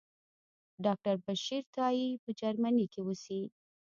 ډاکټر بشیر تائي په جرمني کې اوسي.